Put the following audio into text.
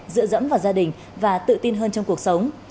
dựa dẫm vào gia đình và tự tin hơn trong cuộc sống